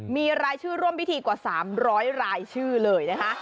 มีรายชื่อร่วมพิธีกว่า๓๐๐รายชื่อเลยนะคะ